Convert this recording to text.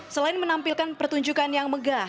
selain menampilkan pertunjukan yang megah